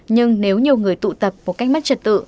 nhưng nếu nhiều người tụ tập một cách mất trật tự